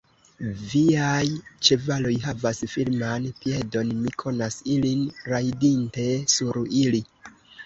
Viaj ĉevaloj havas firman piedon; mi konas ilin, rajdinte sur ili.